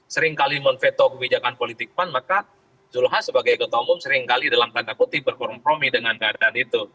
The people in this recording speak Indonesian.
seringkali menveto kebijakan politik pan maka zulhas sebagai ketua umum seringkali dalam tanda kutip berkompromi dengan keadaan itu